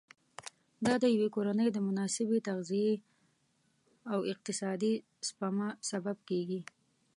دا د یوې کورنۍ د مناسبې تغذیې او اقتصادي سپما سبب کېږي.